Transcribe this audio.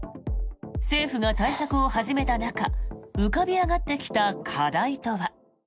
政府が対策を始めた中浮かび上がってきた課題とは。